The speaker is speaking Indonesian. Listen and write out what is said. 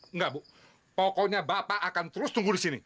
enggak bu pokoknya bapak akan terus tunggu di sini